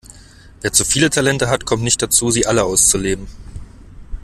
Wer zu viele Talente hat, kommt nicht dazu, sie alle auszuleben.